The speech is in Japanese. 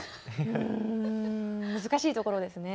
うん難しいところですね。